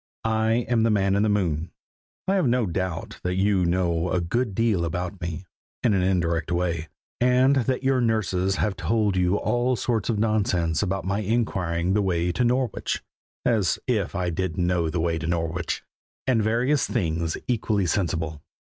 I am the Man in the Moon. I have no doubt that you know a good deal about me, in an indirect way, and that your nurses have told you all sorts of nonsense about my inquiring the way to Norwich as if I didn't know the way to Norwich! and various things equally sensible.